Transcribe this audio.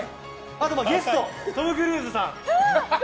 あと、ゲストトム・クルーズさん。